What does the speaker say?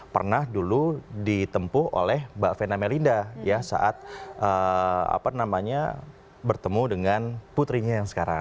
pernah dulu ditempuh oleh mbak vena melinda saat bertemu dengan putrinya yang sekarang